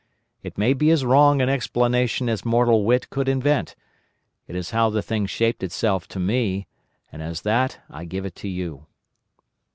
It may be as wrong an explanation as mortal wit could invent. It is how the thing shaped itself to me, and as that I give it to you.